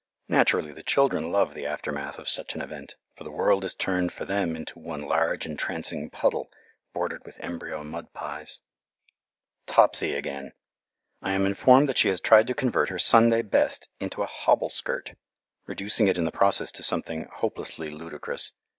Naturally the children love the aftermath of such an event, for the world is turned for them into one large, entrancing puddle, bordered with embryo mud pies. Topsy again! I am informed that she has tried to convert her Sunday best into a hobble skirt, reducing it in the process to something hopelessly ludicrous.